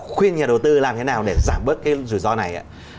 khuyên nhà đầu tư làm thế nào để giảm bớt cái rủi ro này ạ